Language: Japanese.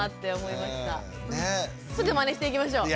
すぐまねしていきましょう。